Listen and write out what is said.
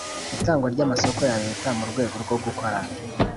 itangwa ry amasoko ya Leta mu rwego rwo gukora